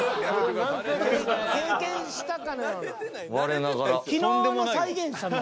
経験したかのような。